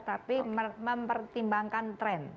tapi mempertimbangkan tren